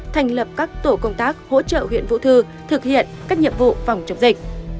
thành lập các tổ công tác hỗ trợ huyện vũ thư thực hiện các nhiệm vụ phòng chống dịch